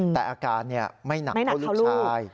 แต่อาการไม่หนักเท่าลูกชาย